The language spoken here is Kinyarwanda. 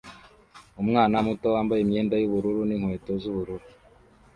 Umwana muto yambaye imyenda yubururu n'inkweto z'ubururu